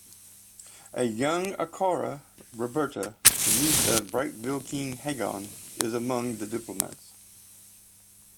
A young Acara, Roberta, the niece of Brightvale King Hagan, is among the diplomats.